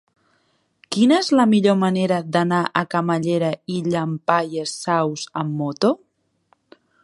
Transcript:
Quina és la millor manera d'anar a Camallera i Llampaies Saus amb moto?